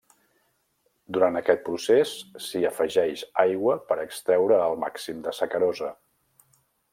Durant aquest procés s’hi afegeix aigua per extreure el màxim de sacarosa.